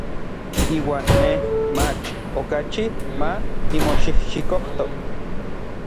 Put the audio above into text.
Iuan nej mach okachi ma nimoxijxikojto.